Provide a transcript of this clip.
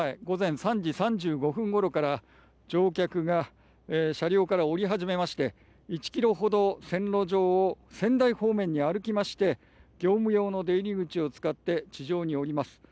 午前３時３５分ごろから乗客が、車両から降り始めまして１ｋｍほど線路上を仙台方面に歩きまして業務用の出入り口を使って地上に降ります。